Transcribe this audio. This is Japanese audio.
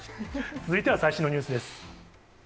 続いては最新のニュースです。